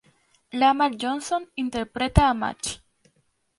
Lamar Johnson interpreta a Match.